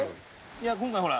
いや今回ほら。